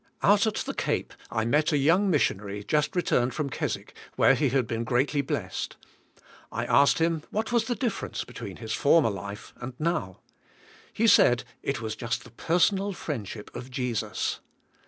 Out at the Cape I met a young missionary, just returned from Keswick, where he had been greatly blessed. I asked him what was the difference be tween his former life and now. He said it was just the personal friendship of Jesus.